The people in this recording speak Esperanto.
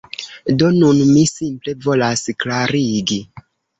Do, nun mi simple volas klarigi